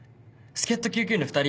助っ人救急医の２人？